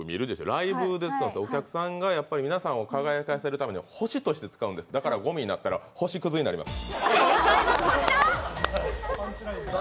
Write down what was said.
ライブでお客さんが皆さんを輝かせるために星として使うんですだからごみになったら星くずになります。